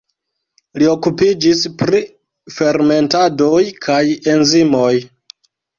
Li okupiĝis pri fermentadoj kaj enzimoj.